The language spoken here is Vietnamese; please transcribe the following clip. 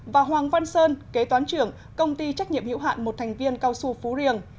và hoàng văn sơn kế toán trưởng công ty trách nhiệm hữu hạn một thành viên cao su phú riềng